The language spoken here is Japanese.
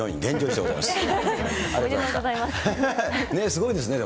すごいですね。